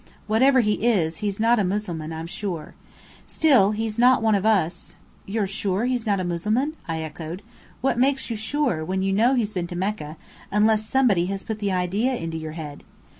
Whatever he is, he's not a Mussulman, I'm sure. Still, he's not one of us " "You're sure he's not a Mussulman?" I echoed. "What makes you sure, when you know he's been to Mecca, unless somebody has put the idea into your head?"